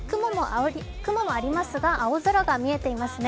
雲もありますが、青空が見えていますね。